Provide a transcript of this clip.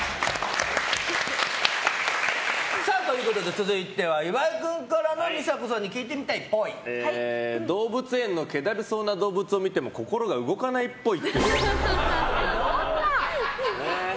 続いては岩井君から美佐子さんに聞いてみたい動物園のけだるそうな動物を見ても心が動かないっぽい。